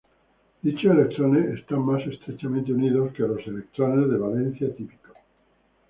Dichos electrones están más estrechamente unidos que los electrones de valencia típicos.